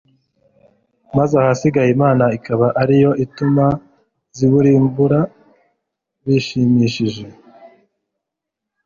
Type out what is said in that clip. maze ahasigaye Imana ikaba ari yo ituma zibumbura bishimishije.